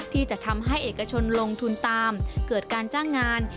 ที่จะทำให้เอกชนลงทุนตามเกิดการจ้างงาน